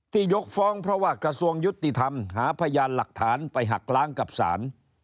ยกฟ้องเพราะว่ากระทรวงยุติธรรมหาพยานหลักฐานไปหักล้างกับศาล